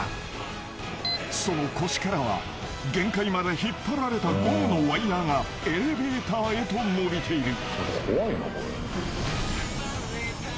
［その腰からは限界まで引っ張られたゴムのワイヤがエレベーターへとのびている］